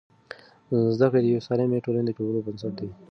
زده کړه د یوې سالمې ټولنې د جوړولو بنسټ دی.